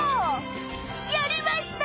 やりました！